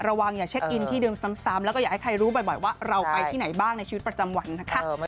อย่าเช็คอินที่เดิมซ้ำแล้วก็อยากให้ใครรู้บ่อยว่าเราไปที่ไหนบ้างในชีวิตประจำวันนะคะ